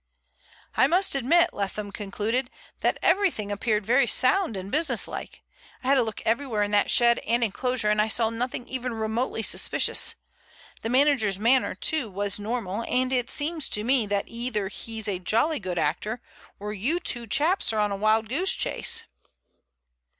"I must admit," Leatham concluded, "that everything appeared very sound and businesslike. I had a look everywhere in that shed and enclosure, and I saw nothing even remotely suspicious. The manager's manner, too, was normal and it seems to me that either he's a jolly good actor or you two chaps are on a wild goose chase."